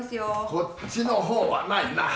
こっちのほうはないなあ。